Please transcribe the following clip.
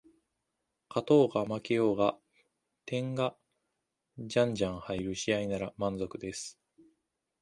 勝とうが負けようが点がじゃんじゃん入る試合なら満足です